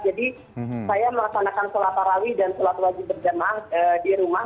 jadi saya melaksanakan sholat parawi dan sholat berjamaah di rumah